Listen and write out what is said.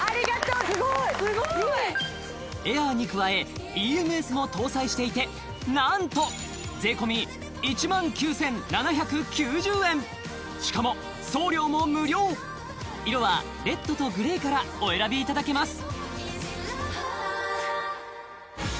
すごいいいすごいエアーに加えＥＭＳも搭載していてなんと税込１万９７９０円しかも送料も無料色はレッドとグレーからお選びいただけます